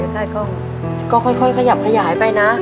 ใช่ก็ค่อยขยับขยายไปนะ